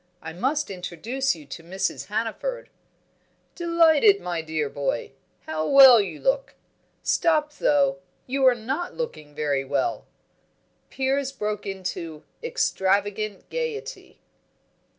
I must introduce you to Mrs. Hannaford." "Delighted, my dear boy! How well you look! stop though; you are not looking very well " Piers broke into extravagant gaiety.